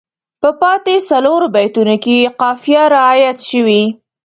په پاتې څلورو بیتونو کې یې قافیه رعایت شوې.